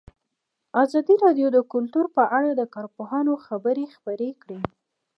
ازادي راډیو د کلتور په اړه د کارپوهانو خبرې خپرې کړي.